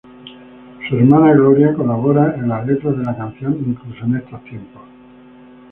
Su hermana Gloria colabora en las letras de la canción "Incluso en estos tiempos".